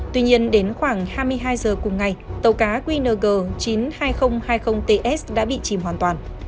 tuy nhiên đến khoảng hai mươi hai giờ cùng ngày tàu cá qng chín mươi hai nghìn hai mươi ts đã bị chìm hoàn toàn